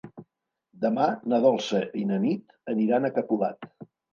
Demà na Dolça i na Nit aniran a Capolat.